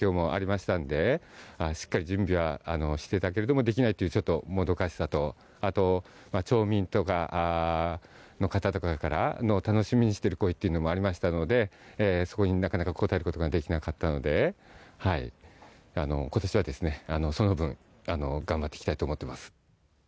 しっかり準備はしていたけれどもできないという、もどかしさとあと、町民とかの方々から楽しみにしてる声もありましたのでそれになかなか応えることができなかったのでことしは、その分頑張っていきたいと思っています。